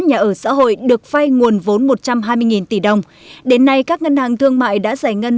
nhà ở xã hội được phai nguồn vốn một trăm hai mươi tỷ đồng đến nay các ngân hàng thương mại đã giải ngân